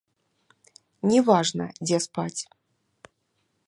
Не важна, дзе спаць.